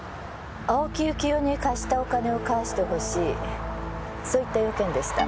青木由紀男に貸したお金を返して欲しいそういった用件でした。